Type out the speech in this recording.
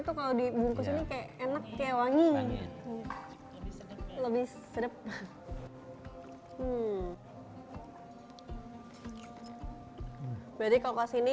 berarti kalau kasih ini